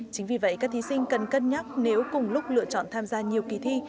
chính vì vậy các thí sinh cần cân nhắc nếu cùng lúc lựa chọn tham gia nhiều kỳ thi